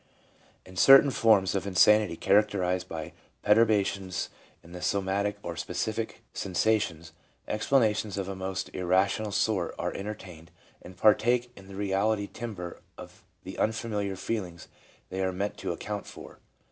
In certain forms of insanity characterized by perturbations in the somatic or specific sensations, explanations of a most irrational sort are entertained and partake in the reality timbre of the unfamiliar feelings they are meant to account for.